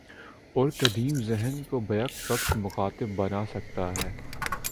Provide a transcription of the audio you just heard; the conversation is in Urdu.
اور قدیم ذہن کو بیک وقت مخاطب بنا سکتا ہے۔